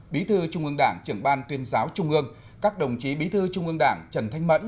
bí thư trung ương đảng trưởng ban tuyên giáo trung ương các đồng chí bí thư trung ương đảng trần thanh mẫn